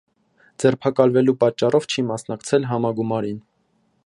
Ձերբակալվելու պատճառով չի մասնակցել համագումարին։